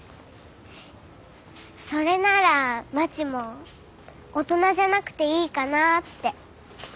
それならまちも大人じゃなくていいかなって。